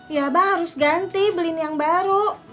ya bang harus ganti beliin yang baru